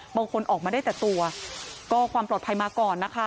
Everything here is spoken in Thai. ออกมาได้แต่ตัวก็ความปลอดภัยมาก่อนนะคะ